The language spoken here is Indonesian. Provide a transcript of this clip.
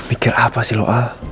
aduh mikir apa sih lo al